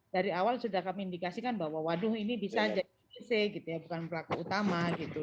dari awal sudah kami indikasikan bahwa ini bisa jadi fisik bukan pelaku utama